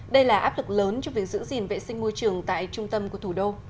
đây là áp lực lớn trong việc giữ gìn vệ sinh môi trường tại trung tâm của thủ đô